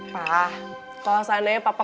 pa kalau seandainya papa